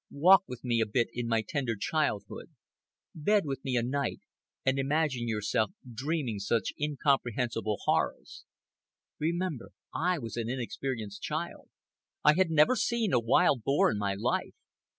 Walk with me a bit in my tender childhood, bed with me a night and imagine yourself dreaming such incomprehensible horrors. Remember I was an inexperienced child. I had never seen a wild boar in my life.